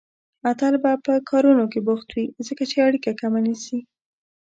اتل به په کارونو کې بوخت وي، ځکه چې اړيکه کمه نيسي